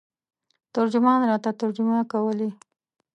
ترجمان راته ترجمه کولې.